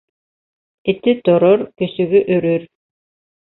Эте торор, көсөгө өрөр.